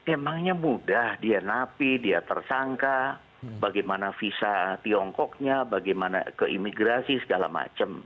emangnya mudah dia napi dia tersangka bagaimana visa tiongkoknya bagaimana ke imigrasi segala macam